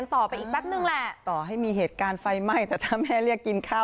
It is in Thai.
น้องเป็นไฟไม่